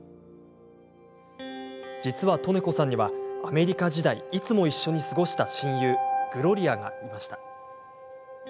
実は利根子さんにはアメリカ時代いつも一緒に過ごした親友グロリアがいました。